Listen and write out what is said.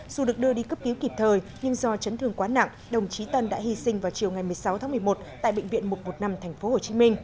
dù được đưa đi cấp cứu kịp thời nhưng do chấn thương quá nặng đồng chí tân đã hy sinh vào chiều ngày một mươi sáu tháng một mươi một tại bệnh viện một trăm một mươi năm tp hcm